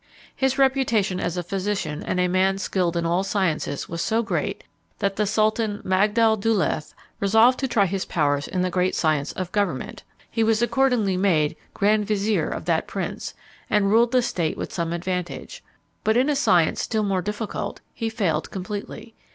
His reputation as a physician and a man skilled in all sciences was so great, that the Sultan Magdal Douleth resolved to try his powers in the great science of government. He was accordingly made Grand Vizier of that prince, and ruled the state with some advantage; but in a science still more difficult, he failed completely.